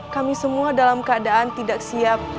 kami semua dalam keadaan tidak siap